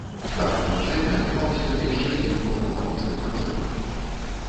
Так, на джэме атрымаўся яшчэ адзін паўнавартасны канцэрт!